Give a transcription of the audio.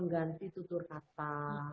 dan itu turkasa